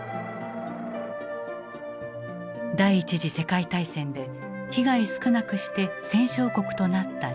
第一次世界大戦で被害少なくして戦勝国となった日本。